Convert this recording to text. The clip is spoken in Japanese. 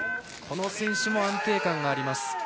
この選手も安定感があります。